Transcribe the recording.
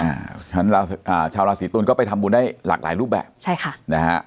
เพราะฉะนั้นชาวราศีตุลก็ไปทำบุญได้หลากหลายรูปแบบใช่ค่ะนะฮะ